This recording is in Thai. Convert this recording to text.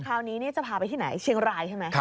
คราวนี้จะพาไปที่ไหนเชียงรายใช่ไหม